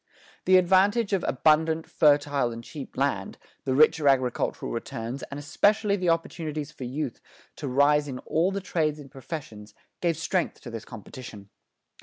The advantage of abundant, fertile, and cheap land, the richer agricultural returns, and especially the opportunities for youth to rise in all the trades and professions, gave strength to this competition.